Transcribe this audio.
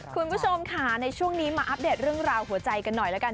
คุณผู้ชมค่ะในช่วงนี้มาอัปเดตเรื่องราวหัวใจกันหน่อยแล้วกัน